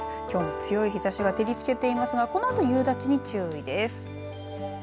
強い日ざしが照りつけていますがこのあと、夕立に注意です。